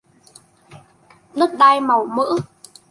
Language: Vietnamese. Đất đai màu mỡ